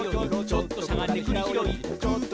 「ちょっとしゃがんでくりひろい」